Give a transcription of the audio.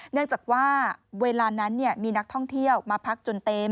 เนื่องจากว่าเวลานั้นมีนักท่องเที่ยวมาพักจนเต็ม